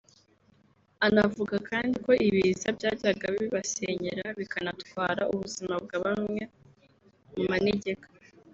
Anavuga kandi ko ibiza byajyaga bibasenyera bikanatwara ubuzima bwa bamwe mu manegeka